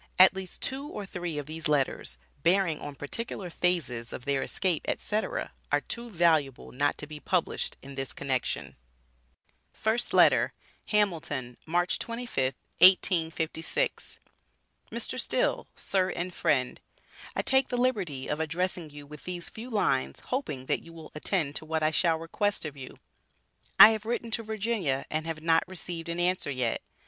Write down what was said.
At least two or three of these letters, bearing on particular phases of their escape, etc., are too valuable not to be published in this connection: FIRST LETTER. HAMILTON, March 25th, 1856. Mr. Still: Sir and Friend I take the liberty of addressing you with these few lines hoping that you will attend to what I shall request of you. I have written to Virginia and have not received an answer yet.